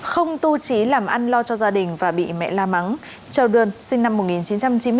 không tu trí làm ăn lo cho gia đình và bị mẹ la mắng châu đươn sinh năm một nghìn chín trăm chín mươi chín